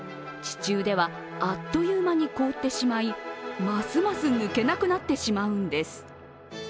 地中ではあっという間に凍ってしまい、ますます抜けてしまうんです。